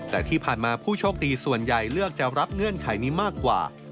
แต่ที่ผ่านมาผู้โชคดีส่วนใหญ่เลือกจะรับเงื่อนไขนี้มากกว่า